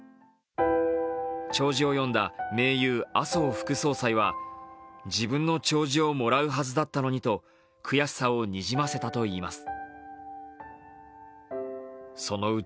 弔辞を読んだ盟友・麻生副総裁は自分の弔辞をもらうはずだったのにと悔しさをにじませたといいます。